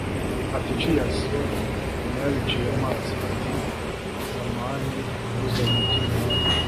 nti cheers mbona yabiciye amazi, ati samahani ntuzane iby'imihari